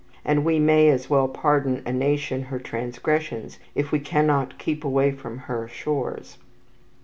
And we may as well pardon a nation her transgressions, if we cannot keep away from her shores.